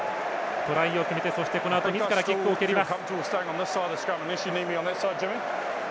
トライを決めてそしてみずからキックも蹴ります。